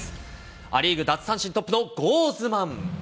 ア・リーグ奪三振トップのゴーズマン。